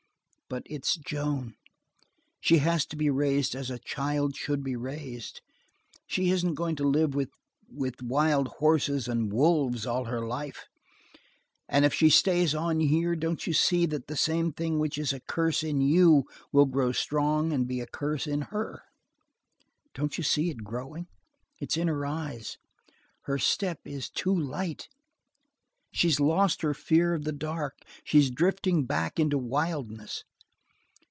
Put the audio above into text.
But it's Joan. She has to be raised as a child should be raised. She isn't going to live with with wild horses and wolves all her life. And if she stays on here, don't you see that the same thing which is a curse in you will grow strong and be a curse in her? Don't you see it growing? It's in her eyes! Her step is too light. She's lost her fear of the dark. She's drifting back into wildness.